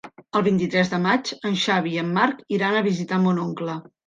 El vint-i-tres de maig en Xavi i en Marc iran a visitar mon oncle.